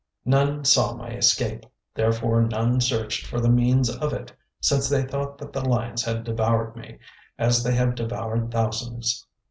None saw my escape, therefore none searched for the means of it, since they thought that the lions had devoured me, as they have devoured thousands.